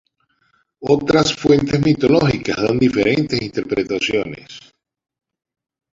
Otras fuentes mitológicas dan diferentes interpretaciones.